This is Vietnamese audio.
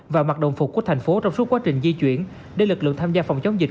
và mặc đồng phục của thành phố trong suốt quá trình di chuyển để lực lượng tham gia phòng chống dịch